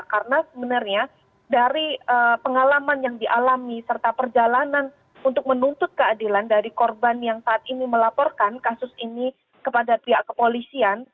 karena sebenarnya dari pengalaman yang dialami serta perjalanan untuk menuntut keadilan dari korban yang saat ini melaporkan kasus ini kepada pihak kepolisian